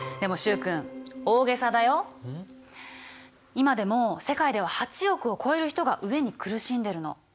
今でも世界では８億を超える人が飢えに苦しんでるの。